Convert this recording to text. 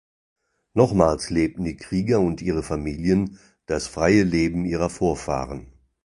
Nochmals lebten die Krieger und ihre Familien das freie Leben ihrer Vorfahren.